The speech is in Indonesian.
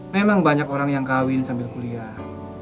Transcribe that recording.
memang banyak orang yang kawin sambil kuliah